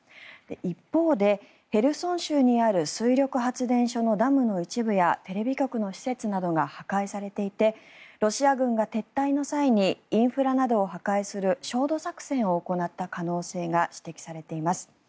一方で、ヘルソン州にある水力発電所のダムの一部やテレビ局の施設などが破壊されていてロシア軍が撤退の際にインフラなどを破壊する焦土作戦を行った可能性が指摘されています。